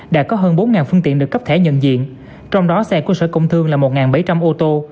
đã có hơn bốn phương tiện được cấp thẻ nhận diện trong đó xe của sở công thương là một bảy trăm linh ô tô